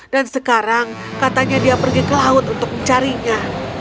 dan sekarang katanya dia pergi ke laut untuk mencarinya